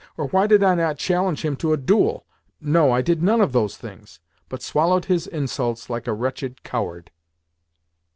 Or why did I not challenge him to a duel? No, I did none of those things, but swallowed his insults like a wretched coward."